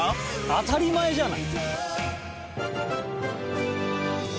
当たり前じゃない。